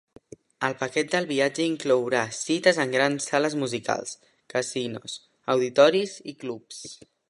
El paquet del viatge inclourà cites en grans sales musicals, casinos, auditoris i clubs.